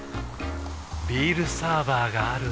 ビールサーバーがある夏。